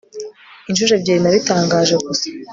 inshuro ebyiri nabitangaje gusa